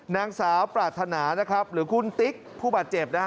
นางสาวปราธนาหรือคุณติ๊กผู้บัดเจ็บ